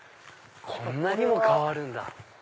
こんなにも変わるんだ。